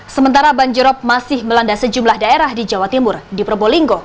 sementara banjirop masih melanda sejumlah daerah di jawa timur di probolinggo